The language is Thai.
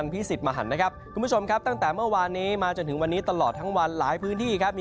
สิทธิ์มหันนะครับคุณผู้ชมครับตั้งแต่เมื่อวานนี้มาจนถึงวันนี้ตลอดทั้งวันหลายพื้นที่ครับ